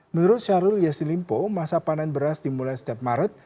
menurut syahrul yassin limpo masa panen beras dimulai setiap maret